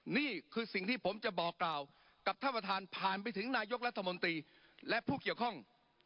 นี่คือสิ่งที่ผมจะบอกกล่าวกับท่านประธานผ่านไปถึงนายกรัฐมนตรีและผู้เกี่ยวข้อง